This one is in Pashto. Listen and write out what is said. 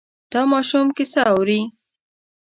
دا ماشوم کیسه اوري.